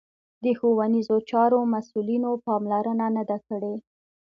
د ښوونیزو چارو مسوولینو پاملرنه نه ده کړې